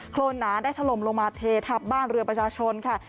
โรนหนาได้ถล่มลงมาเททับบ้านเรือประชาชนค่ะ